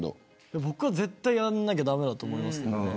僕は絶対にやんなきゃ駄目だと思いますけどね。